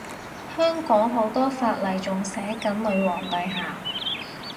香港好多法例仲寫緊女皇陛下